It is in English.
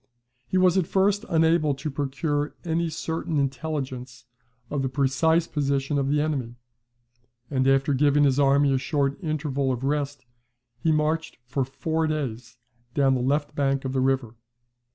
He was at first unable to procure any certain intelligence of the precise position of the enemy, and after giving his army a short interval of rest, he marched for four days down the left bank of the river.